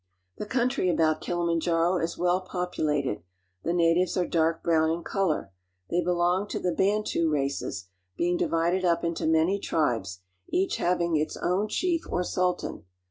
The country about Kilimanjaro is well populated. The natives are dark brown in color, They belong to the intu races, being divided up into many tribes, each hav j its own chief or sultan.